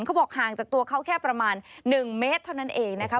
เขาบอกห่างจากตัวเขาแค่ประมาณ๑เมตรเท่านั้นเองนะคะ